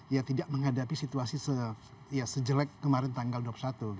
ya tidak menghadapi situasi ya sejelek kemarin tanggal dua puluh satu